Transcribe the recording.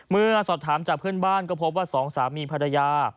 เมื่อสอบถามจากเพื่อนบ้านก็พบว่าสองสามีภรรยา